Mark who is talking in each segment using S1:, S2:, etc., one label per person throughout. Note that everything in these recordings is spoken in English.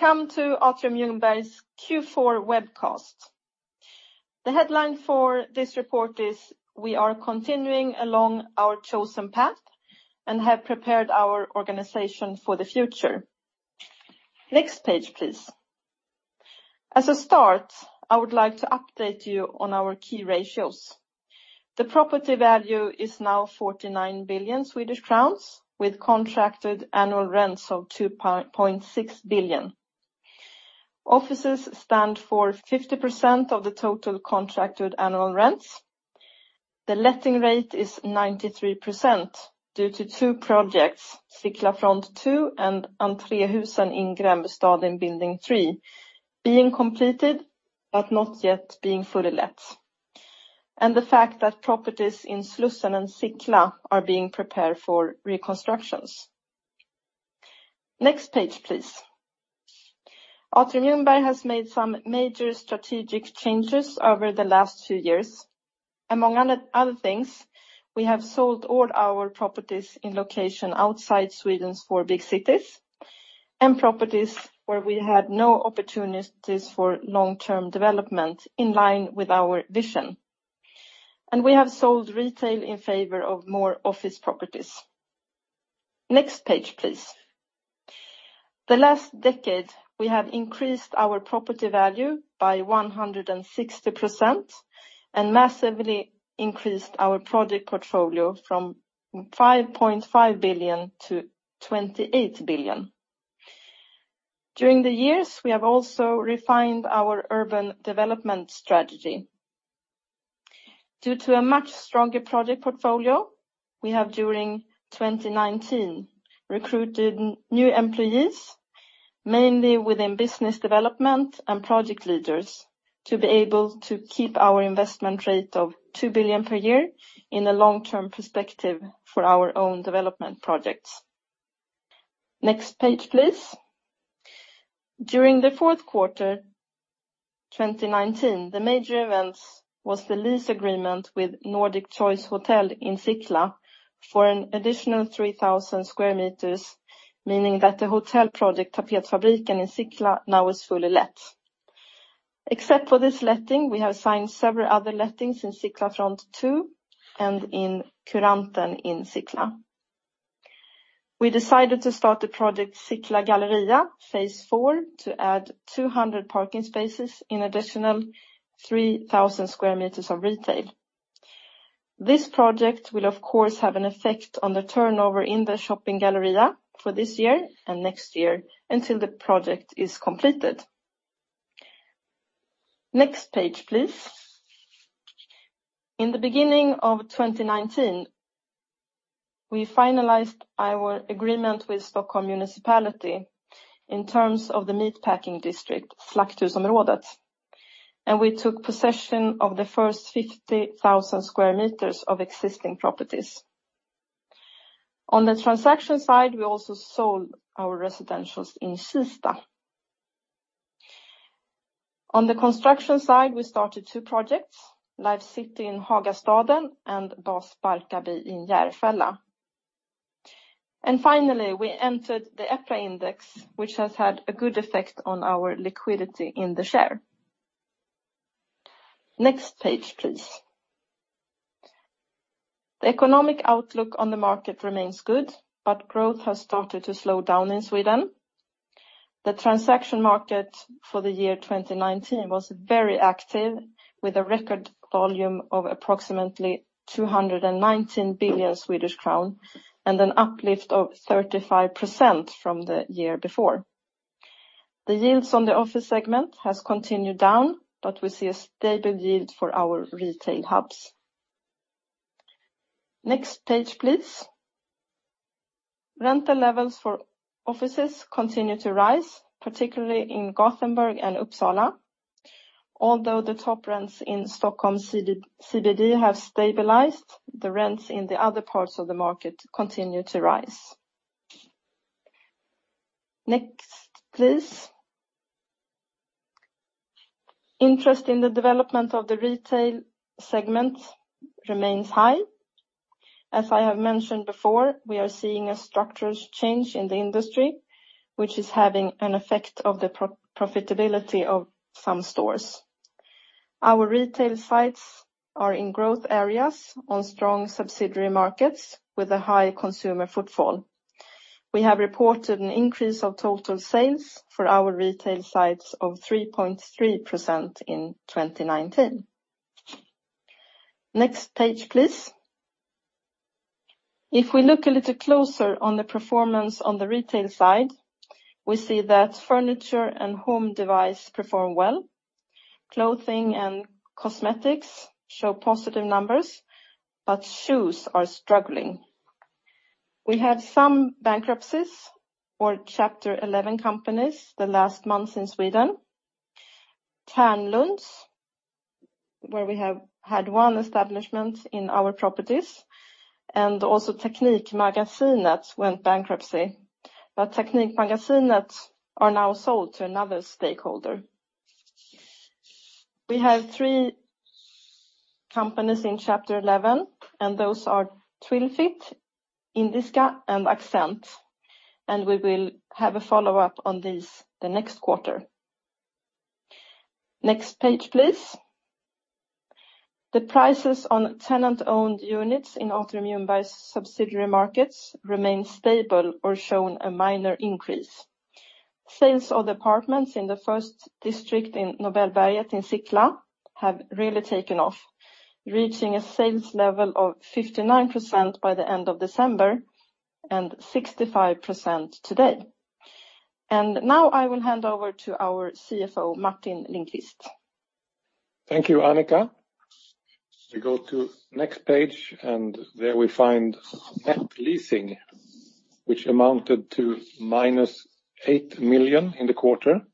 S1: Welcome to Atrium Ljungberg Q4 Webcast. The headline for this report is, We are continuing along our chosen path and have prepared our organization for the future. Next page, please. As a start, I would like to update you on our key ratios. The property value is now 49 billion Swedish crowns, with contracted annual rents of 2.6 billion. Offices stand for 50% of the total contracted annual rents. The letting rate is 93% due to two projects, Sickla Front 2 and Entréhusen in Gränbystaden, Building 3, being completed but not yet being fully let, and the fact that properties in Slussen and Sickla are being prepared for reconstructions. Next page, please. Atrium Ljungberg has made some major strategic changes over the last two years. Among other things, we have sold all our properties in locations outside Sweden's four big cities, and properties where we had no opportunities for long-term development in line with our vision. We have sold retail in favor of more office properties. Next page, please. The last decade, we have increased our property value by 160% and massively increased our project portfolio from 5.5 billion to 28 billion. During the years, we have also refined our urban development strategy. Due to a much stronger project portfolio, we have, during 2019, recruited new employees, mainly within business development and project leaders, to be able to keep our investment rate of 2 billion per year in a long-term perspective for our own development projects. Next page, please. During the fourth quarter 2019, the major events was the lease agreement with Nordic Choice Hotels in Sickla for an additional 3,000 square meters, meaning that the hotel project, Tapetfabriken in Sickla, now is fully let. Except for this letting, we have signed several other lettings in Sickla Front 2 and in Curanten in Sickla. We decided to start the project Sickla Galleria, phase 4, to add 200 parking spaces in additional 3,000 square meters of retail. This project will, of course, have an effect on the turnover in the shopping galleria for this year and next year until the project is completed. Next page, please. In the beginning of 2019, we finalized our agreement with Stockholm Municipality in terms of the meat packing district, Slakthusområdet, and we took possession of the first 50,000 square meters of existing properties. On the transaction side, we also sold our residentials in Kista. On the construction side, we started two projects, Life City in Hagastaden and Bas Barkarby in Järfälla. Finally, we entered the EPRA Index, which has had a good effect on our liquidity in the share. Next page, please. The economic outlook on the market remains good, growth has started to slow down in Sweden. The transaction market for the year 2019 was very active, with a record volume of approximately 219 billion Swedish crown and an uplift of 35% from the year before. The yields on the office segment has continued down, we see a stable yield for our retail hubs. Next page, please. Rental levels for offices continue to rise, particularly in Gothenburg and Uppsala. Although the top rents in Stockholm CBD have stabilized, the rents in the other parts of the market continue to rise. Next, please. Interest in the development of the retail segment remains high. As I have mentioned before, we are seeing a structural change in the industry, which is having an effect of the profitability of some stores. Our retail sites are in growth areas on strong subsidiary markets with a high consumer footfall. We have reported an increase of total sales for our retail sites of 3.3% in 2019. Next page, please. If we look a little closer on the performance on the retail side, we see that furniture and home device perform well. Clothing and cosmetics show positive numbers; shoes are struggling. We had some bankruptcies or Chapter 11 companies the last month in Sweden. Thernlunds, where we have had one establishment in our properties, and also Teknikmagasinet went bankruptcy. Teknikmagasinet are now sold to another stakeholder. We have three companies in Chapter 11, those are Twilfit, Indiska, and Accent. We will have a follow-up on these the next quarter. Next page, please. The prices on tenant-owned units in Atrium Ljungberg's subsidiary markets remain stable or shown a minor increase. Sales of the apartments in the first district in Nobelberget in Sickla have really taken off, reaching a sales level of 59% by the end of December and 65% today. Now I will hand over to our CFO, Martin Lindqvist.
S2: Thank you, Annica. We go to next page, and there we find net leasing, which amounted to -8 million in the quarter,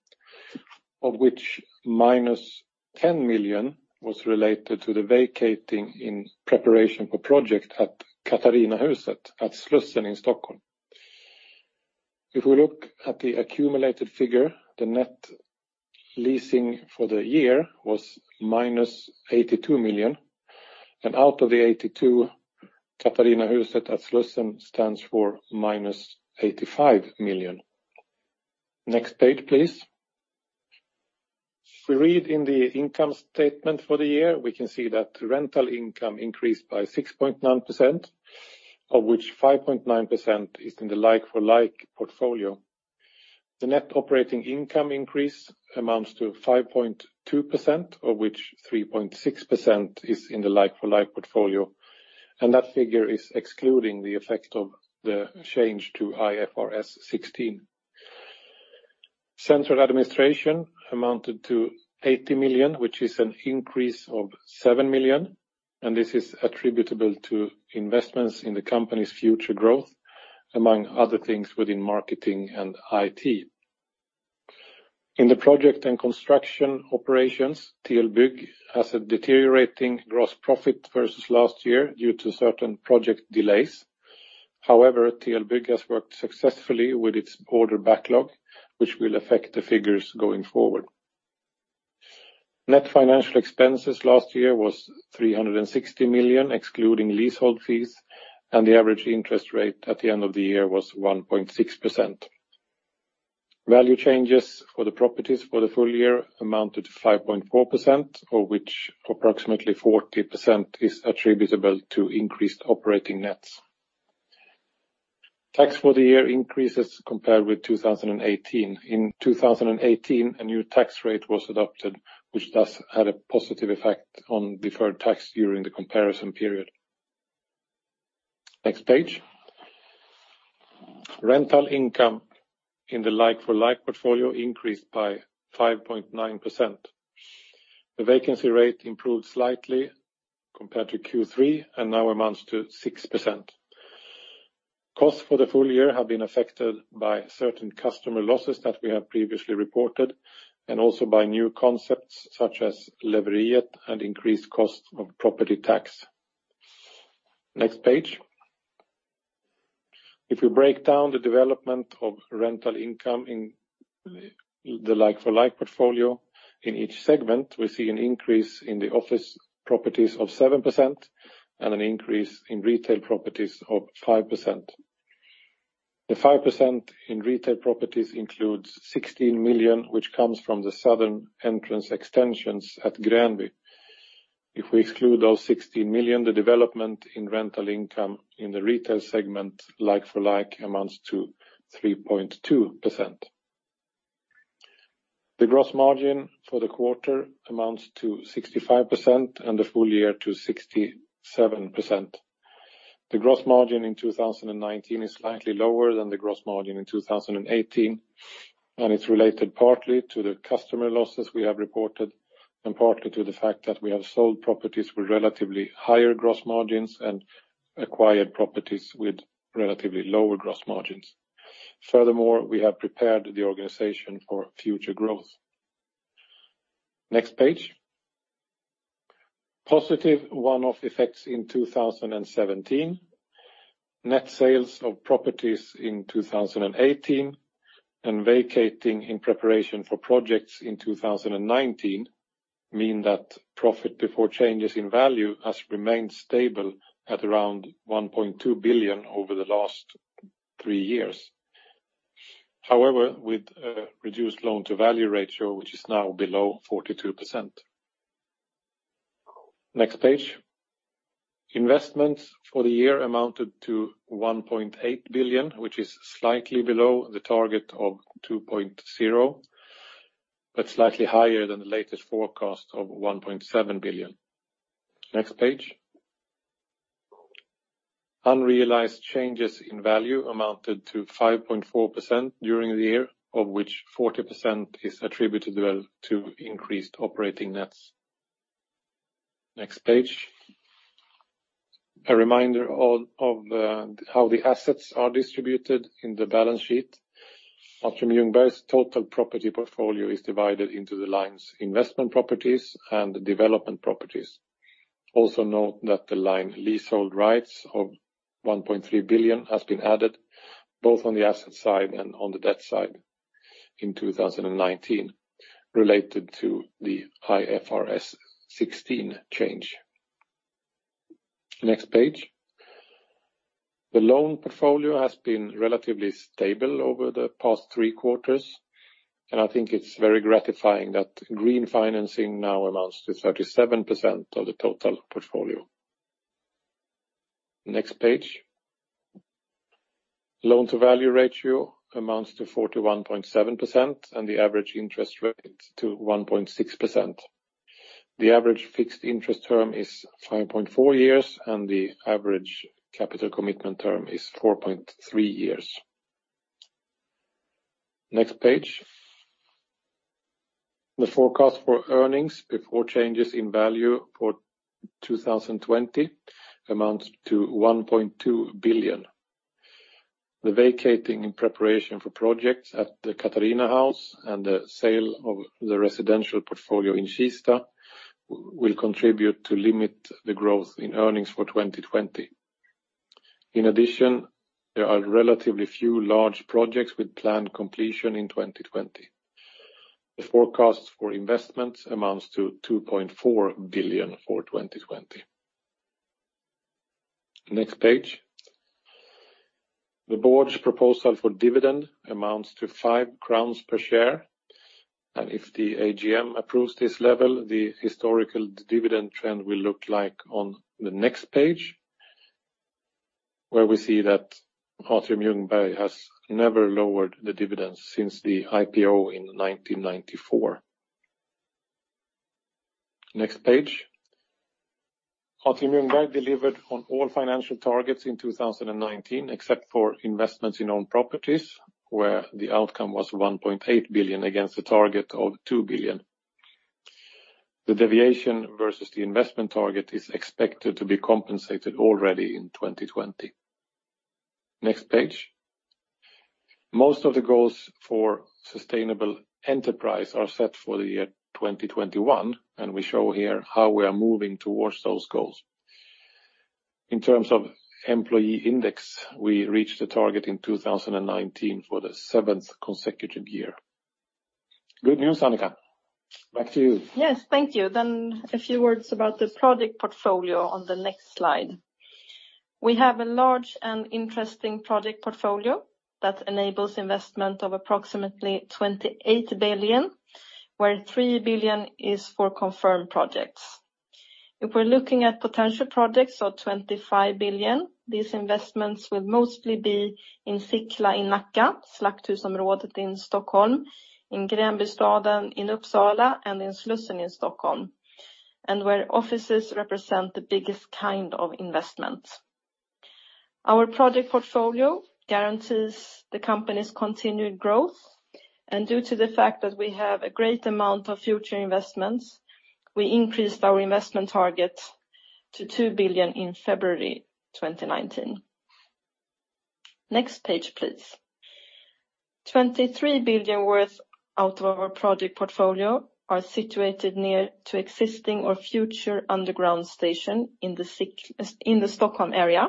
S2: of which -10 million was related to the vacating in preparation for project at Katarinahuset at Slussen in Stockholm. If we look at the accumulated figure, the net leasing for the year was -82 million, and out of the 82, Katarinahuset at Slussen stands for -85 million. Next page, please. If we read in the income statement for the year, we can see that rental income increased by 6.9%, of which 5.9% is in the like-for-like portfolio. The net operating income increase amounts to 5.2%, of which 3.6% is in the like-for-like portfolio. That figure is excluding the effect of the change to IFRS 16. Central administration amounted to 80 million, which is an increase of 7 million. This is attributable to investments in the company's future growth, among other things, within marketing and IT. In the project and construction operations, TL Bygg has a deteriorating gross profit versus last year due to certain project delays. However, TL Bygg has worked successfully with its order backlog, which will affect the figures going forward. Net financial expenses last year was 360 million, excluding leasehold fees. The average interest rate at the end of the year was 1.6%. Value changes for the properties for the full year amounted 5.4%, of which approximately 40% is attributable to increased operating nets. Tax for the year increases compared with 2018. In 2018, a new tax rate was adopted, which thus had a positive effect on deferred tax during the comparison period. Next page. Rental income in the like-for-like portfolio increased by 5.9%. The vacancy rate improved slightly compared to Q3 and now amounts to 6%. Costs for the full year have been affected by certain customer losses that we have previously reported, and also by new concepts such as Leveriet and increased cost of property tax. Next page. If you break down the development of rental income in the like-for-like portfolio, in each segment, we see an increase in the office properties of 7% and an increase in retail properties of 5%. The 5% in retail properties includes 16 million, which comes from the southern entrance extensions at Gränby. If we exclude those 16 million, the development in rental income in the retail segment, like for like, amounts to 3.2%. The gross margin for the quarter amounts to 65% and the full year to 67%. The gross margin in 2019 is slightly lower than the gross margin in 2018. It's related partly to the customer losses we have reported and partly to the fact that we have sold properties with relatively higher gross margins and acquired properties with relatively lower gross margins. Furthermore, we have prepared the organization for future growth. Next page. Positive one-off effects in 2017. Net sales of properties in 2018 and vacating in preparation for projects in 2019 mean that profit before changes in value has remained stable at around 1.2 billion over the last three years. However, with a reduced loan-to-value ratio, which is now below 42%. Next page. Investments for the year amounted to 1.8 billion, which is slightly below the target of 2.0 billion, slightly higher than the latest forecast of 1.7 billion. Next page. Unrealized changes in value amounted to 5.4% during the year, of which 40% is attributable to increased operating nets. Next page. A reminder of how the assets are distributed in the balance sheet. Atrium Ljungberg's total property portfolio is divided into the lines investment properties and development properties. Also, note that the line leasehold rights of 1.3 billion has been added both on the asset side and on the debt side in 2019, related to the IFRS 16 change. Next page. The loan portfolio has been relatively stable over the past three quarters. I think it's very gratifying that green financing now amounts to 37% of the total portfolio. Next page. Loan-to-value ratio amounts to 41.7%. The average interest rate to 1.6%. The average fixed interest term is 5.4 years, and the average capital commitment term is 4.3 years. Next page. The forecast for earnings before changes in value for 2020 amounts to 1.2 billion. The vacating and preparation for projects at the Katarinahuset and the sale of the residential portfolio in Kista will contribute to limit the growth in earnings for 2020. In addition, there are relatively few large projects with planned completion in 2020. The forecast for investments amounts to 2.4 billion for 2020. Next page. The board's proposal for dividend amounts to 5 crowns per share, and if the AGM approves this level, the historical dividend trend will look like on the next page, where we see that Atrium Ljungberg has never lowered the dividends since the IPO in 1994. Next page. Atrium Ljungberg delivered on all financial targets in 2019 except for investments in own properties, where the outcome was 1.8 billion against the target of 2 billion. The deviation versus the investment target is expected to be compensated already in 2020. Next page. Most of the goals for sustainable enterprise are set for the year 2021, and we show here how we are moving towards those goals. In terms of employee index, we reached the target in 2019 for the seventh consecutive year. Good news, Annica. Back to you.
S1: Yes, thank you. A few words about the project portfolio on the next slide. We have a large and interesting project portfolio that enables investment of approximately 28 billion, where 3 billion is for confirmed projects. If we're looking at potential projects of 25 billion, these investments will mostly be in Sickla in Nacka, Slakthusområdet in Stockholm, in Gränbystaden in Uppsala, and in Slussen in Stockholm, and where offices represent the biggest kind of investment. Our project portfolio guarantees the company's continued growth. Due to the fact that we have a great amount of future investments, we increased our investment target to 2 billion in February 2019. Next page, please. 23 billion worth out of our project portfolio are situated near to existing or future underground station in the Stockholm area.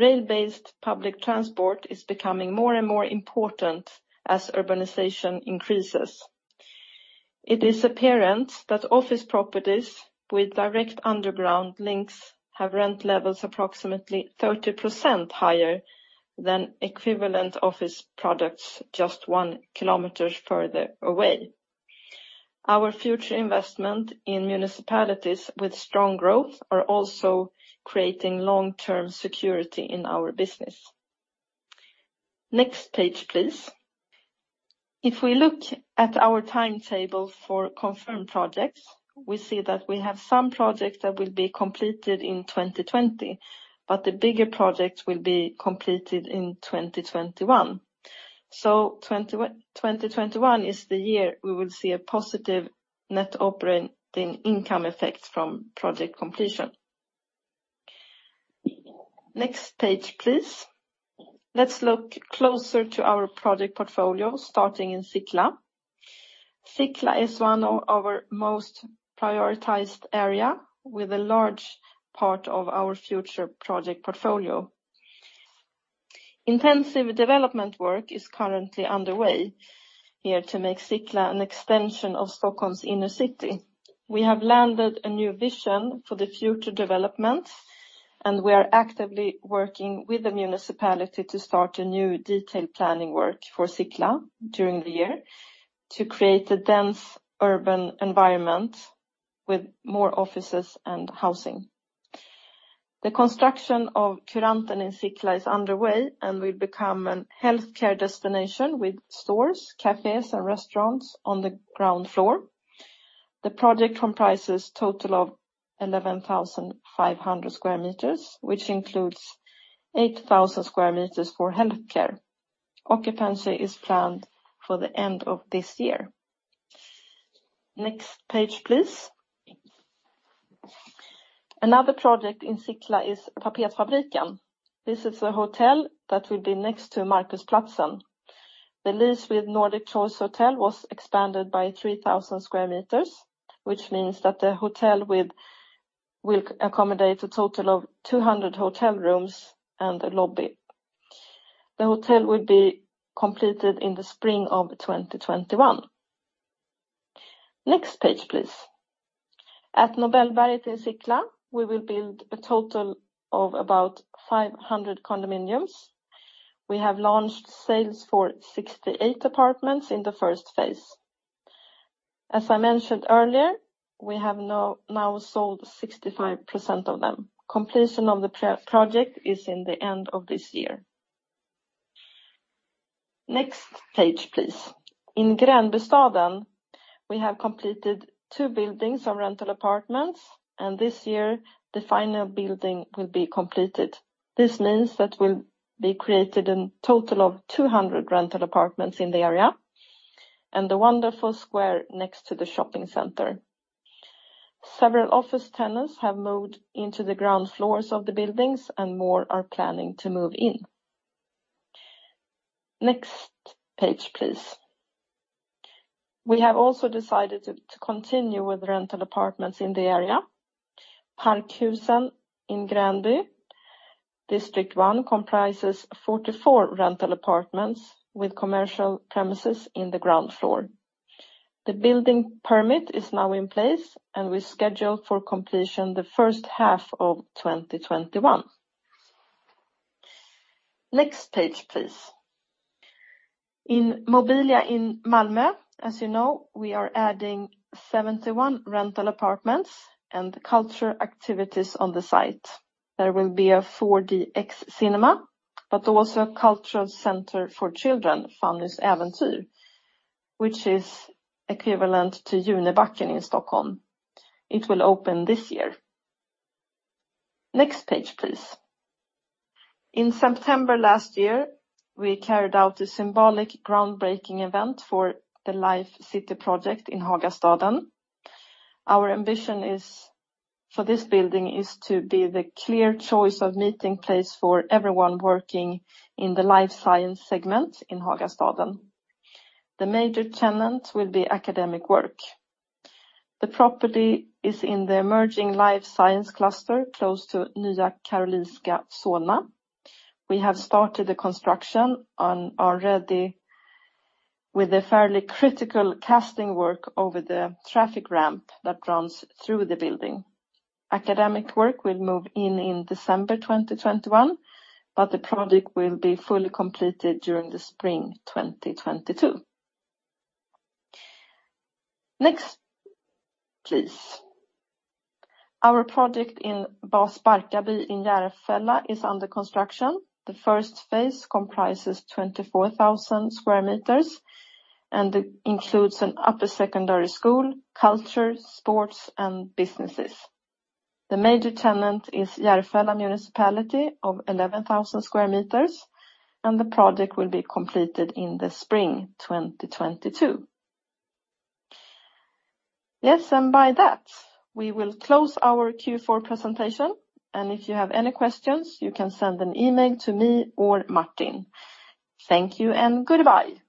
S1: Rail-based public transport is becoming more and more important as urbanization increases. It is apparent that office properties with direct underground links have rent levels approximately 30% higher than equivalent office products just 1 km further away. Our future investment in municipalities with strong growth are also creating long-term security in our business. Next page, please. If we look at our timetable for confirmed projects, we see that we have some projects that will be completed in 2020, the bigger projects will be completed in 2021. 2021 is the year we will see a positive net operating income effect from project completion. Next page, please. Let's look closer to our project portfolio, starting in Sickla. Sickla is one of our most prioritized area with a large part of our future project portfolio. Intensive development work is currently underway here to make Sickla an extension of Stockholm's inner city. We have landed a new vision for the future development. We are actively working with the municipality to start a new detailed planning work for Sickla during the year to create a dense urban environment with more offices and housing. The construction of Curanten in Sickla is underway and will become a health care destination with stores, cafés, and restaurants on the ground floor. The project comprises a total of 11,500 sq m, which includes 8,000 sq m for health care. Occupancy is planned for the end of this year. Next page, please. Another project in Sickla is Tapetfabriken. This is a hotel that will be next to Marcusplatsen. The lease with Nordic Choice Hotels was expanded by 3,000 sq m, which means that the hotel will accommodate a total of 200 hotel rooms and a lobby. The hotel will be completed in the spring of 2021. Next page, please. At Nobelberget in Sickla, we will build a total of about 500 condominiums. We have launched sales for 68 apartments in the first phase. As I mentioned earlier, we have now sold 65% of them. Completion of the project is in the end of this year. Next page, please. In Gränbystaden, we have completed two buildings of rental apartments, and this year, the final building will be completed. This means that we'll be creating a total of 200 rental apartments in the area, and a wonderful square next to the shopping center. Several office tenants have moved into the ground floors of the buildings, and more are planning to move in. Next page, please. We have also decided to continue with rental apartments in the area. Parkhusen in Gränby, District 1 comprises 44 rental apartments with commercial premises in the ground floor. The building permit is now in place, and we're scheduled for completion the first half of 2021. Next page, please. In Mobilia in Malmö, as you know, we are adding 71 rental apartments and cultural activities on the site. There will be a 4DX cinema, but also a cultural center for children. Next page, please. In September last year, we carried out a symbolic groundbreaking event for the Life City project in Hagastaden. Our ambition for this building is to be the clear choice of meeting place for everyone working in the life science segment in Hagastaden. The major tenant will be Academic Work. The property is in the emerging life science cluster, close to Nya Karolinska Solna. We have started the construction and are ready with the fairly critical casting work over the traffic ramp that runs through the building. Academic Work will move in in December 2021, but the project will be fully completed during the spring 2022. Next, please. Our project in Bas Barkarby in Järfälla is under construction. The first phase comprises 24,000 sq m and includes an upper secondary school, culture, sports, and businesses. The major tenant is Järfälla Municipality of 11,000 sq m, and the project will be completed in the spring 2022. By that, we will close our Q4 presentation, and if you have any questions, you can send an email to me or Martin. Thank you and goodbye.